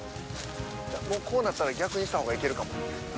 もうこうなったら逆にした方がいけるかも。